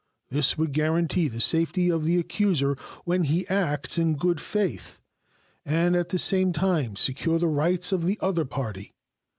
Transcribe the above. This would guarantee the safety of the accuser when he acts in good faith, and at the same time secure the rights of the other party.